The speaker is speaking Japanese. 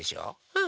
うん！